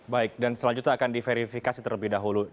baik dan selanjutnya akan diverifikasi terlebih dahulu